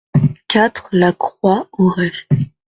quatre la Croix Auray